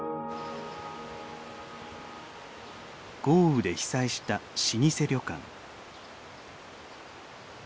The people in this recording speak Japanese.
豪雨で被災した老舗旅館。